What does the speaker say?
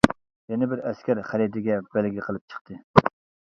يەنە بىر ئەسكەر خەرىتىگە بەلگە قىلىپ چىقتى.